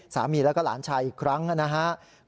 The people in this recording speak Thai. สามีและหลานชายอีกครั้งนะฮะ